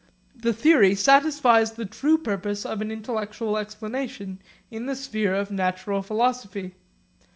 The theory satisfies the true purpose of an intellectual explanation in the sphere of natural philosophy.